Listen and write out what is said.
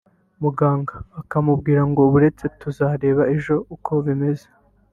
umuganga akamubwira ngo buretse tuzareba ejo uko bimeze